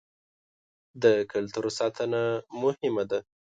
د کلتور ساتنه مهمه ده.